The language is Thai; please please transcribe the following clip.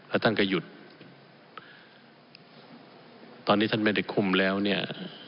แล้วท่านก็หยุดตอนนี้ท่านไม่ได้คุมแล้วเนี่ย